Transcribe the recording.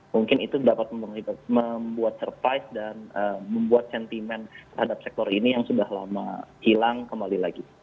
mungkin itu dapat membuat surprise dan membuat sentimen terhadap sektor ini yang sudah lama hilang kembali lagi